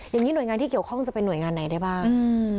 อย่างนี้หน่วยงานที่เกี่ยวข้องจะเป็นหน่วยงานไหนได้บ้าง